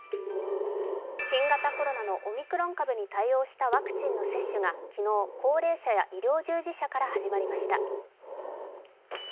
新型コロナのオミクロン株に対応したワクチンの接種が昨日、高齢者や医療従事者から始まりました。